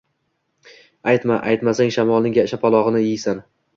Aytma, aytsang shamolning shapalog‘ini yeysan!